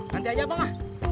nanti aja bang